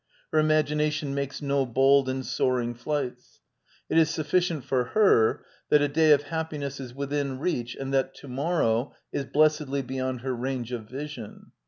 Her imagination makes no bold and soaring flights. It is sufficient for her that a day of happiness is within reach and that to morrow is blessedly beyond her range of vision.